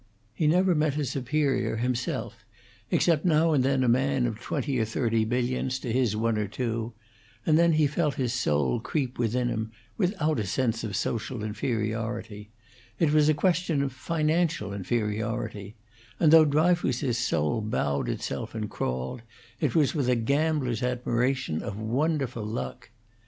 He never met a superior himself except now and then a man of twenty or thirty millions to his one or two, and then he felt his soul creep within him, without a sense of social inferiority; it was a question of financial inferiority; and though Dryfoos's soul bowed itself and crawled, it was with a gambler's admiration of wonderful luck.